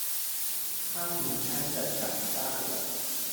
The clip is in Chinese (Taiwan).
她平安的長大了